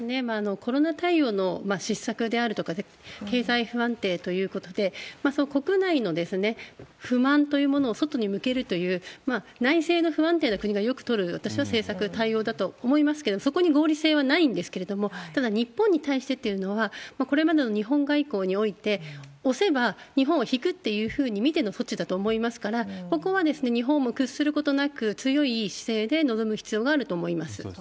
コロナ対応の失策であるとか、経済不安定ということで、国内の不満というものを外に向けるという、内政の不安定な国がよく取る、私は政策、対応だと思いますけど、そこに合理性はないんですけれども、ただ、日本に対してっていうのは、これまでの日本外交において、押せば、日本は引くっていうふうに見ての措置だと思いますから、ここは日本も屈することなく、強い姿勢で臨む必要があると思います。